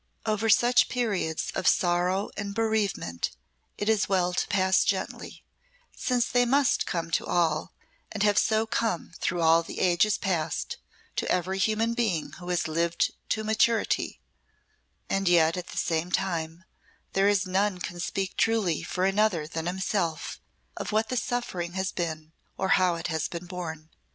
Over such periods of sorrow and bereavement it is well to pass gently, since they must come to all, and have so come through all the ages past, to every human being who has lived to maturity; and yet, at the same time, there is none can speak truly for another than himself of what the suffering has been or how it has been borne.